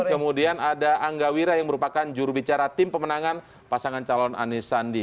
kemudian ada angga wira yang merupakan jurubicara tim pemenangan pasangan calon anisandi